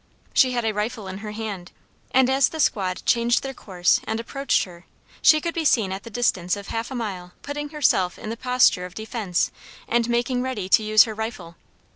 She had a rifle in her hand, and as the squad changed their course and approached her, she could be seen at the distance of half a mile putting herself in the posture of defense and making ready to use her rifle.